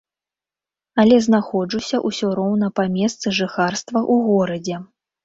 Але знаходжуся ўсё роўна па месцы жыхарства, у горадзе.